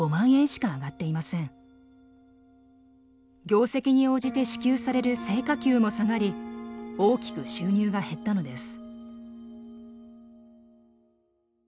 業績に応じて支給される成果給も下がり大きく収入が減ったのです。